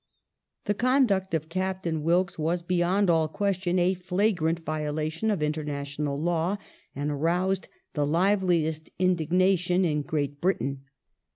The conduct of Captain Wilkes was, beyond all question, a flagrant violation of international law, and aroused the liveliest indignation in Great Britain.